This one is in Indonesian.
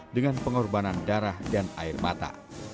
dengan pengorbanan darah dan air mata